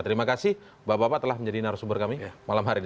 terima kasih bapak bapak telah menjadi narasumber kami malam hari ini